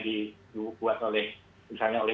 dibuat oleh misalnya oleh